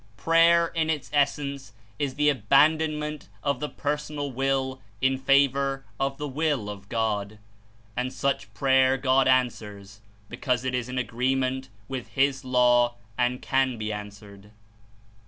Prayer, In Its essence, Is the abandonment of the personal will In favor of the Will of God. And such prayer God answers, because It Is In agreement with his law and can be answered.